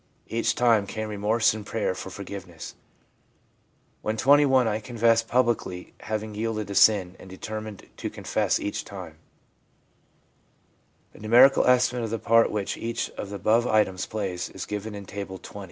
Each time came remorse and prayer for forgiveness. When 21 I confessed publicly having yielded to sin, and determined to con fess each time/ A numerical estimate of the part which each of the above items plays is given in Table XX.